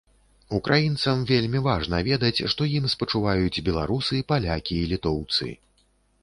Украінцам вельмі важна ведаць, што ім спачуваюць беларусы, палякі і літоўцы.